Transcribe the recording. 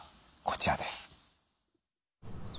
こちらです。